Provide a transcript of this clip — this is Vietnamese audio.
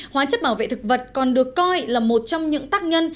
hóa chất bảo vệ thực vật còn được coi là một trong những tác nhân